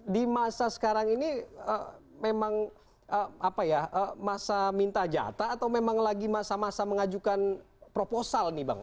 di masa sekarang ini memang apa ya masa minta jatah atau memang lagi masa masa mengajukan proposal nih bang